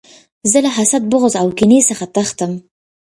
زه له حسد، بغض او کینې څخه تښتم.